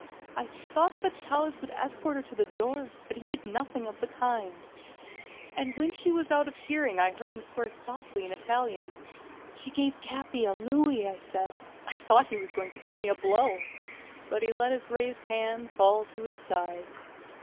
I thought that Vitalis would escort her to the door, but he did nothing of the kind, and when she was out of hearing I heard him swear softly in Italian. "She gave Capi a louis," I said. I thought he was going to give me a blow, but he let his raised hand fall to his side.